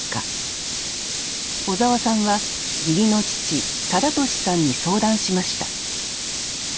尾澤さんは義理の父定俊さんに相談しました